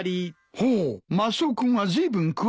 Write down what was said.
ほおマスオ君はずいぶん詳しそうだな。